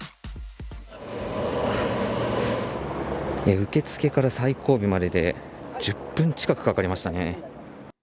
受付から最後尾までで、１０分近くかかりましたね。